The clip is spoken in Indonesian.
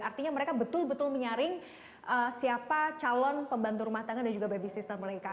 artinya mereka betul betul menyaring siapa calon pembantu rumah tangga dan juga baby system mereka